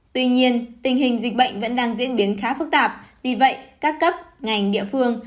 tuy nhiên tình hình dịch bệnh vẫn đang diễn biến khá phức tạp vì vậy các cấp ngành địa phương